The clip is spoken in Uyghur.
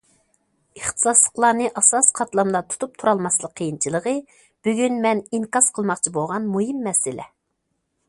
ئىختىساسلىقلارنى ئاساسىي قاتلامدا تۇتۇپ تۇرالماسلىق قىيىنچىلىقى بۈگۈن مەن ئىنكاس قىلماقچى بولغان مۇھىم مەسىلە.